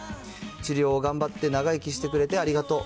治療を頑張って長生きしてくれてありがとう。